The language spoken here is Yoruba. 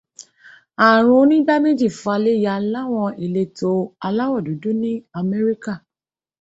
Ààrùn onígbáméjì fa'lẹ̀ya láwọn ìletò aláwọ̀dúdú ní Amẹ́ríkà.